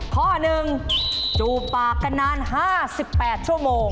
ข้อหนึ่งจูบปากกันนานห้าสิบแปดชั่วโมง